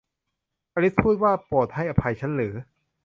อลิซพูดว่า โปรดให้อภัยฉันหรือ